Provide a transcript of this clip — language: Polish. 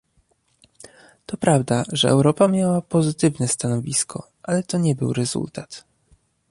To prawda, że Europa miała pozytywne stanowisko, ale to nie był rezultat